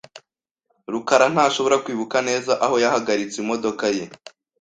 rukara ntashobora kwibuka neza aho yahagaritse imodoka ye .